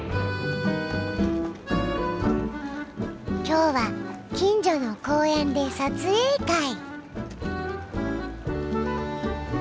今日は近所の公園で撮影会。